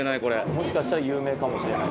もしかしたら有名かもしれない。